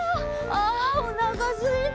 あおなかすいた。